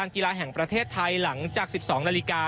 ของประเทศไทยหลังจาก๑๒นาฬิกา